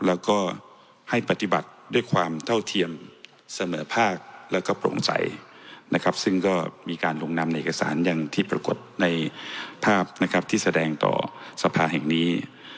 แล้วก็ให้ปฏิบัติด้วยความเท่าเทียมเสนอภาคแล้วก็โปร่งใสนะครับซึ่งก็มีการลงนำในเอกสารอย่างที่ปรากฏในภาพนะครับที่แสดงต่อสภาแห่งนี้